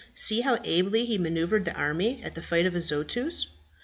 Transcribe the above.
See how ably he maneuvered the army at the fight of Azotus.